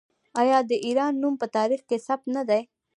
آیا د ایران نوم په تاریخ کې ثبت نه دی؟